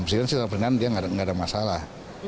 presiden secara benar dia nggak ada masalah